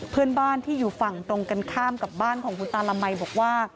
เพื่อนบ้านที่อยู่ฝั่งตรงกันข้ามกับบ้านของคุณตาละมัยบอกว่า